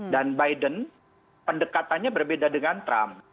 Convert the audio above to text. biden pendekatannya berbeda dengan trump